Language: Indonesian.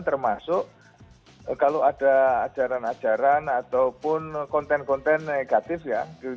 termasuk kalau ada ajaran ajaran ataupun konten konten negatif ya